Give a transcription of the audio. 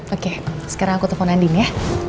oke sekarang aku telpon andien ya